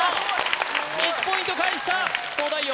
１ポイント返した東大王